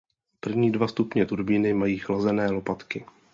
První dva stupně turbíny mají chlazené lopatky.